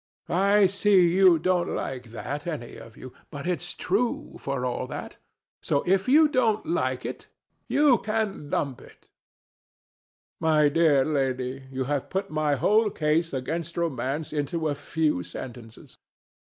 I see you don't like that, any of you; but it's true, for all that; so if you don't like it you can lump it. DON JUAN. My dear lady, you have put my whole case against romance into a few sentences.